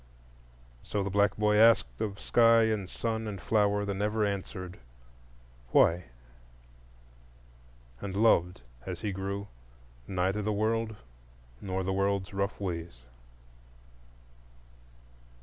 So the black boy asked of sky and sun and flower the never answered Why? and loved, as he grew, neither the world nor the world's rough ways.